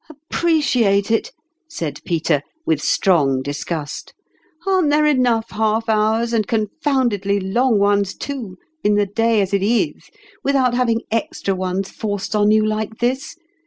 " Appreciate it !" said Peter, with strong disgust. " Aren't there enough half hours, and confoundedly long ones, too, in the day as it is, without having extra ones forced on you like this